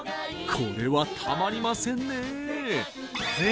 これはたまりませんね